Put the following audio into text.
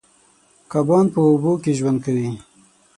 کبان په اوبو کې ژوند کوي.